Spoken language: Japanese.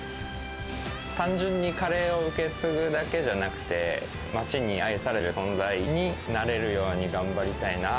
単純にカレーを受け継ぐだけじゃなくて、町に愛される存在になれるように頑張りたいな。